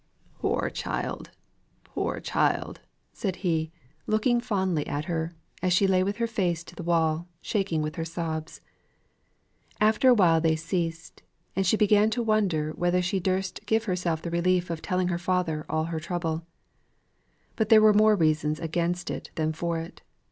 "Poor child! poor child!" said he, looking fondly at her, as she lay with her face to the wall, shaking with her sobs. After a while they ceased, and she began to wonder whether she durst give herself the relief of telling her father of all her trouble. But there were more reasons against it than for it.